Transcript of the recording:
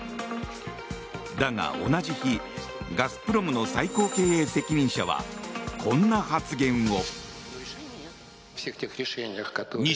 だが、同じ日ガスプロムの最高経営責任者はこんな発言を。